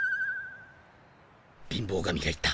貧乏神が行った。